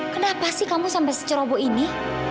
kenapa sih kamu sampai secerobo ini